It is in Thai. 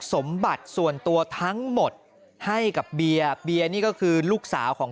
สมบัติส่วนตัวทั้งหมดให้กับเบียร์เบียร์นี่ก็คือลูกสาวของ